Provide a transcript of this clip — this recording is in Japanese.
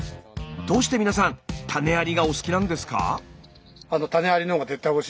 どうして皆さん種ありがお好きなんですか？